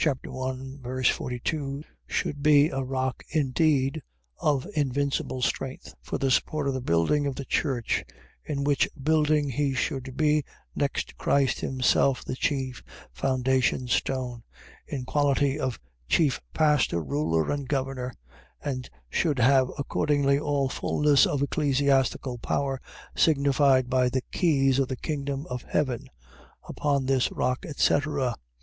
42, should be a rock indeed, of invincible strength, for the support of the building of the church; in which building he should be, next to Christ himself, the chief foundation stone, in quality of chief pastor, ruler, and governor; and should have accordingly all fulness of ecclesiastical power, signified by the keys of the kingdom of heaven. Upon this rock, etc. ..